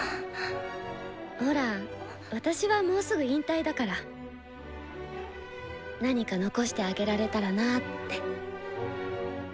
ほら私はもうすぐ引退だから何か残してあげられたらなって。